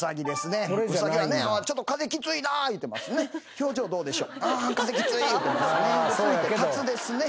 表情どうでしょ。